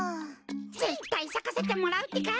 ぜったいさかせてもらうってか。